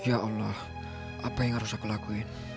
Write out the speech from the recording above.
ya allah apa yang harus aku lakuin